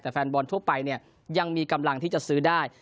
แต่แฟนบอลทั่วไปเนี่ยยังมีกำลังที่จะซื้อได้